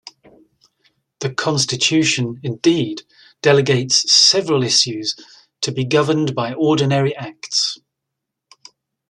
The Constitution, indeed, delegates several issues to be governed by ordinary Acts.